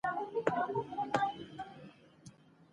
غلګن هالک د غلا په تور يو ځل بيا ککړ سو